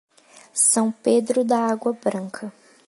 São Pedro da Água Branca